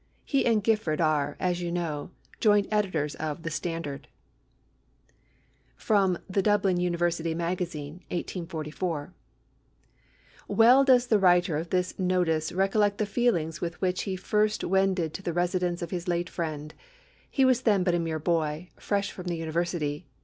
He and Gifford are, as you know, joint editors of the Standard." [Sidenote: The Dublin University Magazine, 1844.] "Well does the writer of this notice recollect the feelings with which he first wended to the residence of his late friend. He was then but a mere boy, fresh from the university....